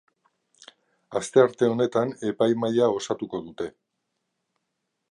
Astearte honetan epaimahaia osatuko dute.